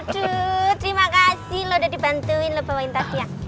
terima kasih lo udah dibantuin lo bawain tadi ya